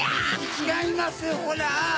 ちがいますホラ！